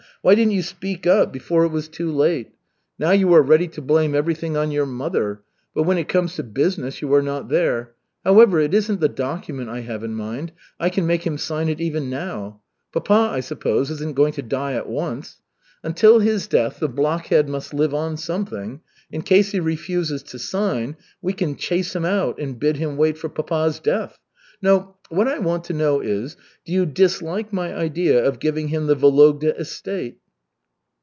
Why didn't you speak up before it was too late? Now you are ready to blame everything on your mother, but when it comes to business, you are not there. However, it isn't the document I have in mind. I can make him sign it even now. Papa, I suppose, isn't going to die at once. Until his death the blockhead must live on something. In case he refuses to sign, we can chase him out and bid him wait for papa's death. No, what I want to know is, do you dislike my idea of giving him the Vologda estate?"